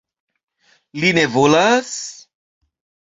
Li ne volas...